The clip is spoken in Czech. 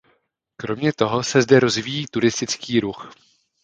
Kromě toho se zde rozvíjí turistický ruch.